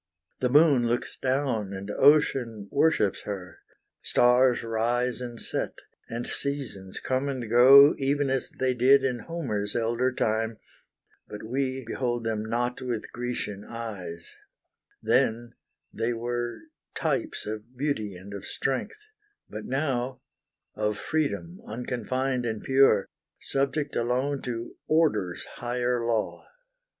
The moon looks down and ocean worships her, Stars rise and set, and seasons come and go Even as they did in Homer's elder time, But we behold them not with Grecian eyes: Then they were types of beauty and of strength, But now of freedom, unconfined and pure, Subject alone to Order's higher law.